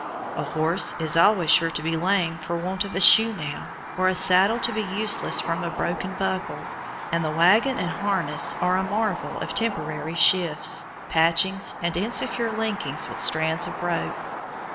A horse is always sure to be lame for want of a shoe nail, or a saddle to be useless from a broken buckle, and the wagon and harness are a marvel of temporary shifts, patchings, and insecure linkings with strands of rope.